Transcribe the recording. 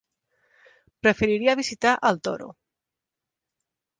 Preferiria visitar el Toro.